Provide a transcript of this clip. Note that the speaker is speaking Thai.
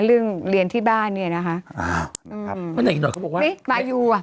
เรื่องเรียนที่บ้านเนี้ยนะคะอืมอืมอีกหน่อยเขาบอกว่านี่มาอยู่อ่ะ